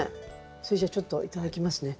それじゃあちょっといただきますね。